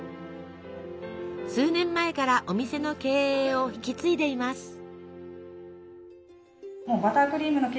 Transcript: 数年前からお店の経営を引き継いでいます。